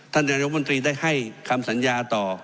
ท่านแห่งรัฐบาลมนตรีได้ให้คำสัญญาต่อ